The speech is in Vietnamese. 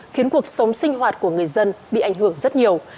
khiến cuộc sống sinh hoạt của người dân bị ảnh hưởng rất nhiều